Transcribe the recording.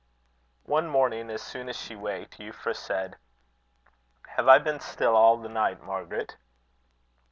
One morning, as soon as she waked, Euphra said: "Have I been still all the night, Margaret?"